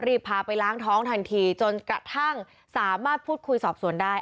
พาไปล้างท้องทันทีจนกระทั่งสามารถพูดคุยสอบสวนได้